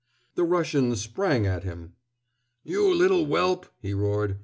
The Russian sprang at him. "You little whelp!" he roared.